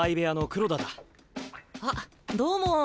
あどうも。